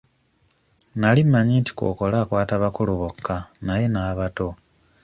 Nali mmanyi nti Kkookolo akwata bakulu bokka naye n'abato!